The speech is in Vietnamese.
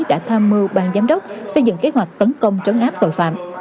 đã tham mưu bàn giám đốc xây dựng kế hoạch tấn công chống áp tội phạm